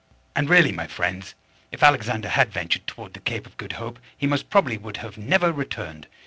And really, my friends, if Alexander had ventured toward the Cape of Good Hope he most probably would have never returned.